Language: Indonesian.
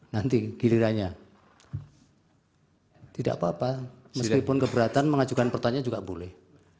nanti gilirannya tidak apa apa meskipun keberatan mengajukan pertanyaan juga boleh